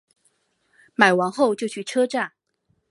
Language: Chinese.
买完后就去车站